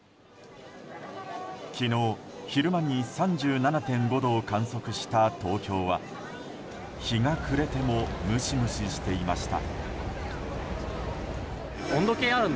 昨日、昼間に３７．５度を観測した東京は日が暮れてもムシムシしていました。